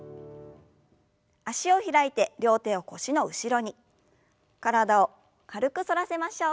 脚を開いて両手を腰の後ろに体を軽く反らせましょう。